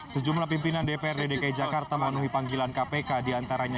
sejumlah pimpinan dprd dki jakarta memenuhi panggilan kpk diantaranya